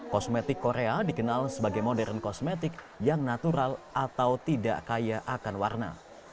kosmetik korea dikenal sebagai modern kosmetik yang natural atau tidak kaya akan warna